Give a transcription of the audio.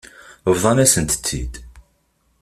Bḍan-asent-t-id.